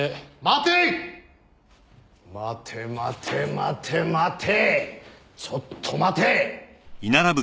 待て待て待て待てちょっと待て！